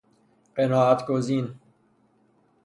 قناعت گزین